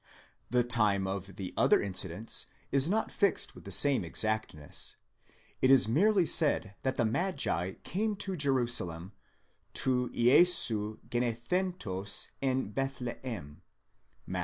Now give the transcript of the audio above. The time of the other incidents is not fixed with the same exactness ; it is merely said that the magi came to Jerusalem, τοῦ Ἰησοῦ γεννηθέντος ἐν Βηθλεὲμ (Matt.